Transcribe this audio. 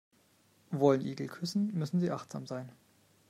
Wollen Igel küssen, müssen sie achtsam sein.